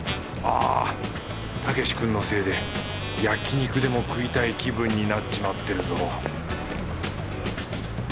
あ武君のせいで焼き肉でも食いたい気分になっちまってるぞ